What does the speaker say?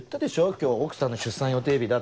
今日奥さんの出産予定日だって。